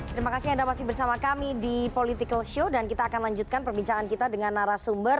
terima kasih anda masih bersama kami di political show dan kita akan lanjutkan perbincangan kita dengan narasumber